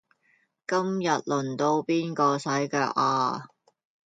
今日輪到邊個洗腳呀